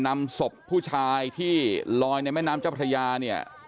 นำศพผู้ชายที่ลอยในแม่น้ำเจ้าพระยาเนี่ย